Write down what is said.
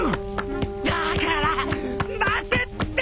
だから待てって。